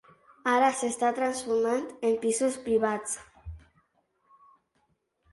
Ara s'està transformant en pisos privats.